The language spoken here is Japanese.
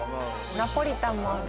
ナポリタンもある。